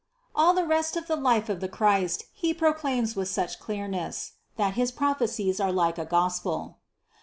All the rest of the life of the Christ he proclaims with such clearness, that his prophecies are like a gospel.